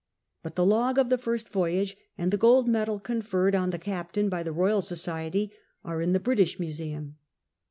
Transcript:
But the log of the First Voyage and the gold medal conferred on the captain by the Boyal Society arc in the British Museum.